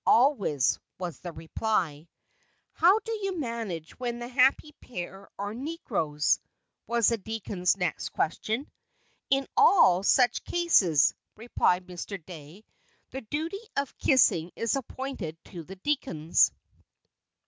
"Always," was the reply. "How do you manage when the happy pair are negroes?" was the deacon's next question. "In all such cases," replied Mr. Dey, "the duty of kissing is appointed to the deacons."